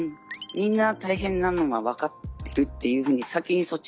みんな大変なのは分かってるっていうふうに先にそっちの方が。